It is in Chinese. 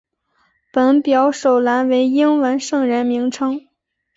本表首栏为英文圣人名称。